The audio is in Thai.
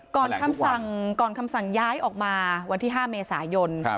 คำสั่งก่อนคำสั่งย้ายออกมาวันที่๕เมษายน